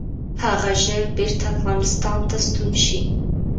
هغه ژر بیرته افغانستان ته ستون شي.